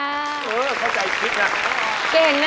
เออเข้าใจคิดอย่างน้อย